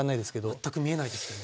全く見えないですけどね。